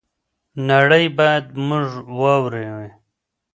نړۍ بايد موږ واوري.